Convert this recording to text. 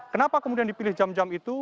kenapa kemudian dipilih jam jam itu